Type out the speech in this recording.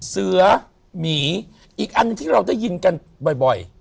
เสือหมีอีกอันหนึ่งที่เราได้ยินกันบ่อย